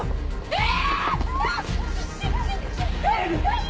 えっ。